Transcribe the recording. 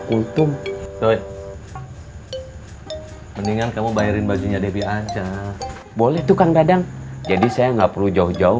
kultum mendingan kamu bayarin bajunya debbie aja boleh tukang dadang jadi saya nggak perlu jauh jauh